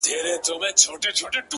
دغه د کرکي او نفرت کليمه _